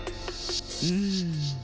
うん。